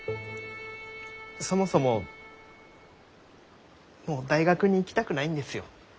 そもそももう大学に行きたくないんですよ。